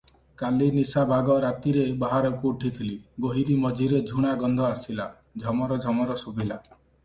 କାଲି ନିଶାଭାଗ ରାତିରେ ବାହାରକୁ ଉଠିଥିଲି, ଗୋହିରୀ ମଝିରେ ଝୁଣାଗନ୍ଧ ଆସିଲା, ଝମର ଝମର ଶୁଭିଲା ।